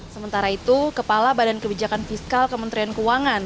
sementara itu kepala badan kebijakan fiskal kementerian keuangan